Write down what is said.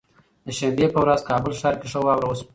د شنبه به ورځ کابل ښار کې ښه واوره وشوه